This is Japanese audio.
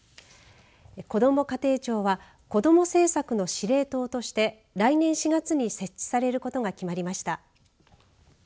こども家庭庁はこども政策の司令塔として来年４月に設置されることが決まりました。